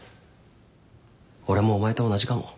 俺もお前と同じかも。